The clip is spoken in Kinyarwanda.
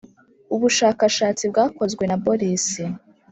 ubashakashatsi bwakozwe na boris